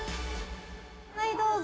はいどうぞ。